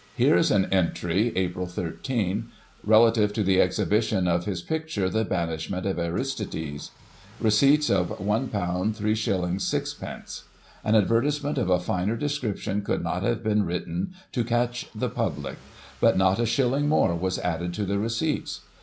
Here is an entry (Ap. 13) relative to the exhibition of his picture, "The Banishment of Aristides": "Receipts £1 3s. 6d. An advertisement of a finer description could not have been written to catch the public; but not a shilling more was added to the receipts.